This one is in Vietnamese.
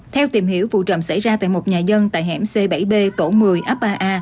theo tìm hiểu vụ trầm xảy ra tại một nhà dân tại hẻm c bảy b tổ một mươi ấp ba a